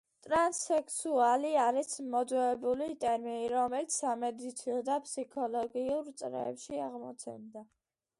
ტრანსსექსუალი არის მოძველებული ტერმინი, რომელიც სამედიცინო და ფსიქოლოგიურ წრეებში აღმოცენდა.